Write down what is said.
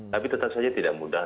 tapi tetap saja tidak mudah